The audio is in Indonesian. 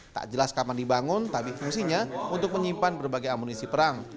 tak jelas kapan dibangun tapi fungsinya untuk menyimpan berbagai amunisi perang